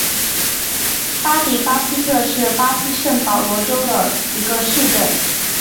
巴迪巴西特是巴西圣保罗州的一个市镇。